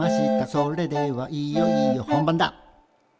「それではいよいよ本番だ」